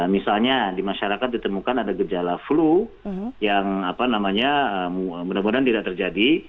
misalnya di masyarakat ditemukan ada gejala flu yang mudah mudahan tidak terjadi